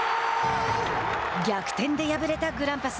逆転で敗れたグランパス。